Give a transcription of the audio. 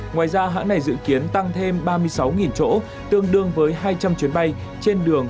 ngoài ra hãng này dự kiến tăng thêm ba mươi sáu chỗ tương đương với hai trăm linh chuyến bay trên đường